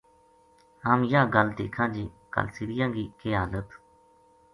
ہم یاہ گل دیکھاں جے کالسریا ں کی کے حالت